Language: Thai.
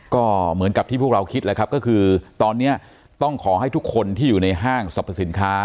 ก็เหมือนกับที่พวกเราคิดแล้วครับก็คือตอนนี้ต้องขอให้ทุกคนที่อยู่ในห้างสรรพสินค้า